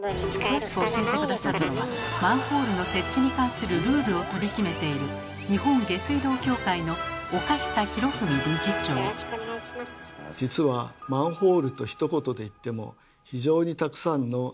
詳しく教えて下さるのはマンホールの設置に関するルールを取り決めている実はマンホールとひと言で言っても非常にたくさんの種類があるんです。